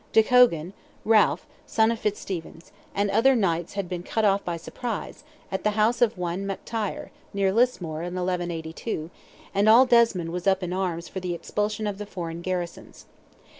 De Cogan, Ralph, son of Fitzstephen, and other knights had been cut off by surprise, at the house of one McTire, near Lismore, in 1182, and all Desmond was up in arms for the expulsion of the foreign garrisons.